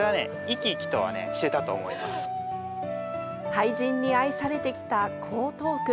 俳人に愛されてきた江東区。